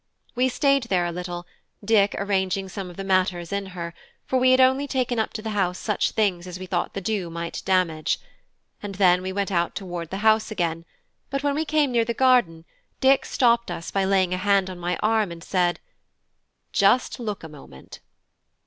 We stayed there a little, Dick arranging some of the matters in her, for we had only taken up to the house such things as we thought the dew might damage; and then we went toward the house again; but when we came near the garden, Dick stopped us by laying a hand on my arm and said, "Just look a moment."